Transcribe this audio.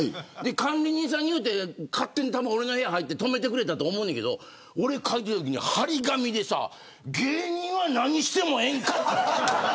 管理人さんにいうて勝手に俺の部屋に入って止めてくれたと思うんやけど俺、帰ってきたときに張り紙でさ芸人は何してもええんかって。